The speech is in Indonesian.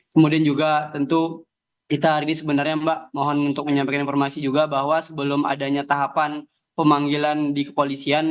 kemudian juga tentu kita hari ini sebenarnya mbak mohon untuk menyampaikan informasi juga bahwa sebelum adanya tahapan pemanggilan di kepolisian